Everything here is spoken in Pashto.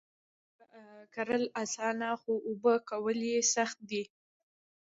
جوار کرل اسانه خو اوبه کول یې سخت دي.